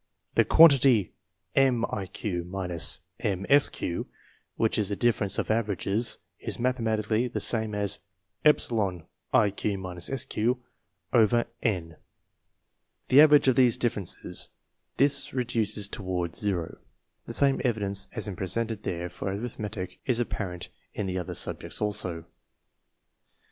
The quantity Miq—Msq, which is the difference of averages, is mathematically the same as > the average of the differences. This reduces toward zero. The same evidence as is presented there for arithmetic is apparent in the other subjects also.